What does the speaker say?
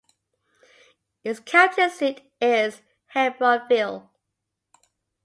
Its county seat is Hebbronville.